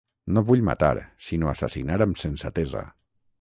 No vull matar, sinó assassinar amb sensatesa.